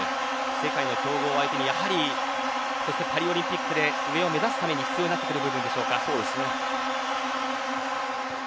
世界の強豪相手にパリオリンピックで上を目指すために必要になってくるでしょうか。